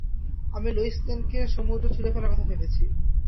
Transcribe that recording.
আমি লোয়িস লেনকে সমুদ্রে ছুঁড়ে ফেলার কথা ভেবেছি।